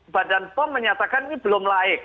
badan pom menyatakan ini belum laik